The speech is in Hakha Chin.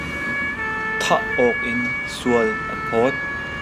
Thah awk in sual an phawt.